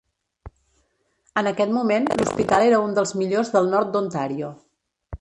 En aquest moment l'hospital era un dels millors del nord d'Ontario.